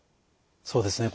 そうですね